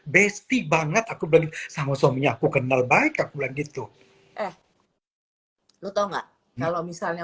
besti banget aku beli sama suaminya aku kenal baik aku begitu eh lu tahu nggak kalau misalnya